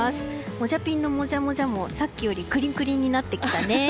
もじゃピンのもじゃもじゃもさっきよりもクリクリになってきたね。